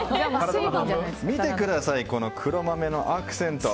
見てください、黒豆のアクセント。